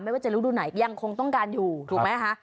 ว่าจะรูดูไหนยังคงต้องการอยู่ถูกไหมคะ